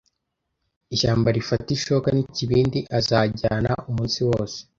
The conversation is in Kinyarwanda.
Ishyamba rifata ishoka n'ikibindi azajyana, umunsi wose,